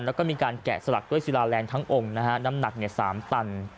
แล้วก็มีการแกะสลักด้วยศิลาแรงทั้งองค์นะฮะน้ำหนัก๓ตัน